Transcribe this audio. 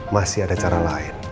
masih ada cara lain